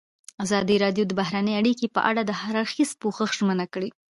ازادي راډیو د بهرنۍ اړیکې په اړه د هر اړخیز پوښښ ژمنه کړې.